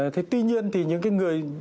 thế tuy nhiên thì những người